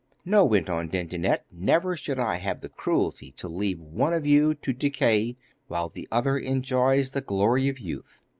'No,' went on Dindonette, 'never should I have the cruelty to leave one of you to decay, while the other enjoys the glory of youth.